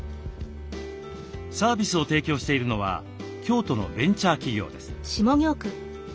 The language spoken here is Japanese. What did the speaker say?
サービスを提供しているのは京都のベンチャー企業です。